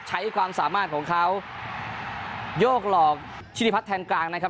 ใช้ความสามารถของเขาโยกหลอกชิริพัฒนแทนกลางนะครับ